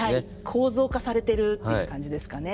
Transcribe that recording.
構造化されてるっていう感じですかね。